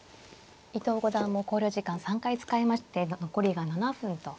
伊藤五段も考慮時間３回使いまして残りが７分と。